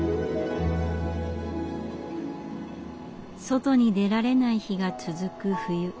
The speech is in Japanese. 外に出られない日が続く冬。